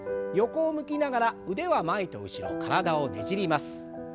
横を向きながら腕は前と後ろ体をねじります。